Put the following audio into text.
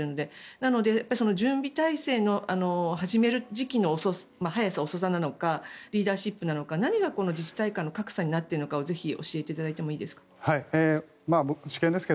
なので、準備体制の始める時期の早さ遅さなのかリーダーシップなのか、何が自治体間の格差になっているかをぜひ教えていただいてもよろしいですか？